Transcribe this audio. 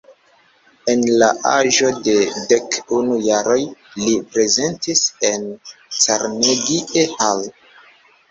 En la aĝo de dek unu jaroj li prezentis en Carnegie Hall.